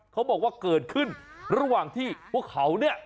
เขาบอกว่าเกิดขึ้นระหว่างที่พวกเขาเนี่ย